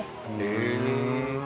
へえ。